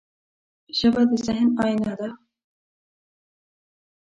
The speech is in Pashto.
ژبه د ذهن آینه ده